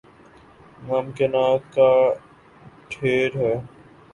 ممکنات کا ڈھیر ہے۔